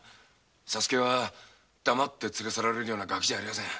左助は黙って連れ去られるようなガキじゃありません。